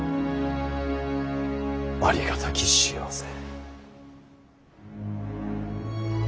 ありがたき幸せ。